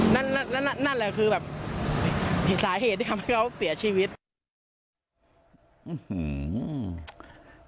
นั่นนั่นแหละคือแบบอีกสาเหตุที่ทำให้เขาเสียชีวิต